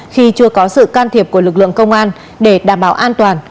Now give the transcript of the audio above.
khi chưa có sự can thiệp của lực lượng công an để đảm bảo an toàn